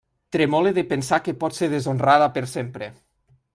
Tremole de pensar que pot ser deshonrada per sempre.